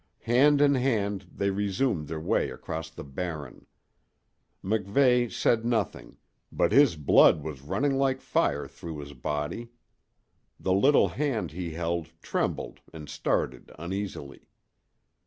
Hand in hand, they resumed their way across the Barren. MacVeigh said nothing, but his blood was running like fire through his body. The little hand he held trembled and started uneasily.